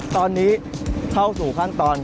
ตอนนี้เข้าสู่ขั้นตอน